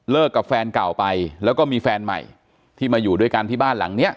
กับแฟนเก่าไปแล้วก็มีแฟนใหม่ที่มาอยู่ด้วยกันที่บ้านหลังเนี้ย